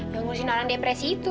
gak ngurusin orang depresi itu